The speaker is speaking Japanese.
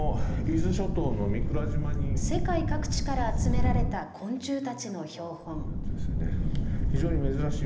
世界各地から集められた昆虫たちの標本。